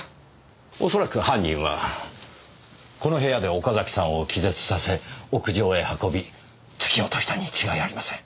おそらく犯人はこの部屋で岡崎さんを気絶させ屋上へ運び突き落としたに違いありません。